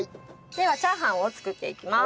ではチャーハンを作っていきます。